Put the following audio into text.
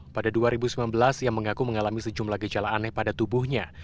pada dua ribu sembilan belas ia mengaku mengalami sejumlah gejala aneh pada tubuhnya